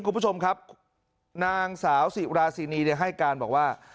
คุณผู้ชมครับนางสาวสิราศีนีให้การบอกว่า